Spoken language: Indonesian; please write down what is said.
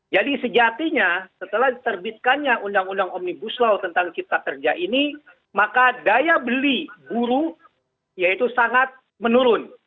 sejatinya setelah diterbitkannya undang undang omnibus law tentang cipta kerja ini maka daya beli buruh yaitu sangat menurun